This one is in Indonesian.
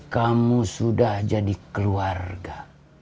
kamu sudah jadi keluarga